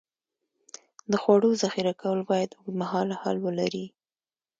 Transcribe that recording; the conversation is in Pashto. د خوړو ذخیره کول باید اوږدمهاله حل ولري.